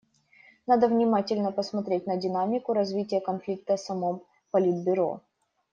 Надо внимательно посмотреть на динамику развития конфликта в самом Политбюро.